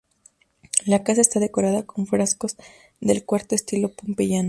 La casa está decorada con frescos del cuarto estilo pompeyano.